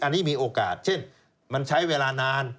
อันนี้มีโอกาสเช่นมันใช้เวลานาน